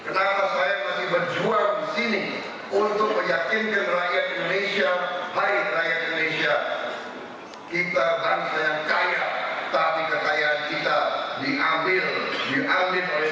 kenapa saya masih berjuang di sini untuk meyakinkan rakyat indonesia baik rakyat indonesia kita bangsa yang kaya tapi kekayaan kita diambil diambil oleh